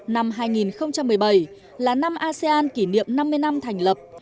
năm hai nghìn một mươi bảy là năm asean kỷ niệm năm mươi năm thành lập